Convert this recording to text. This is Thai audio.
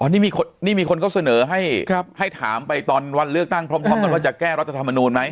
นี่มีคนเขาเสนอให้ถามไปตอนวันเลือกตั้งพร้อมกันว่าจะแก้รัฐธรรมนูลไหม